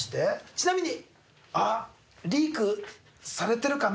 ちなみに。